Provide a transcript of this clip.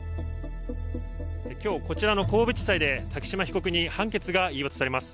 きょう、こちらの神戸地裁で竹島被告に判決が言い渡されます。